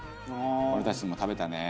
「俺たちも食べたね」